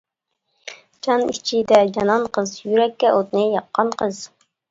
جان ئىچىدە جانان قىز، يۈرەككە ئوتنى ياققان قىز.